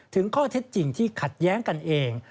ถึงข้อเท็จจริงที่ขัดแย้งกันเอง